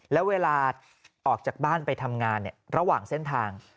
แล้วเวลาออกจากบ้านไปทำงานระหว่างเส้นทาง